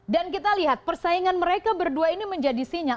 dan kita lihat persaingan mereka berdua ini menjadi sinyal